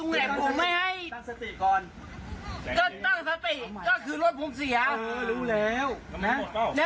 มึงมาถามที่อยู่มา